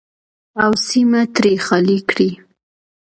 او سیمه ترې خالي کړي.